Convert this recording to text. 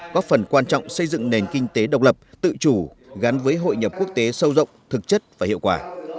góp phần quan trọng xây dựng nền kinh tế độc lập tự chủ gắn với hội nhập quốc tế sâu rộng thực chất và hiệu quả